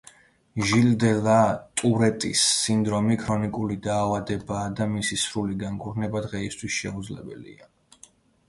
ჟილ დე ლა ტურეტის სინდრომი ქრონიკული დაავადებაა და მისი სრული განკურნება დღეისათვის შეუძლებელია.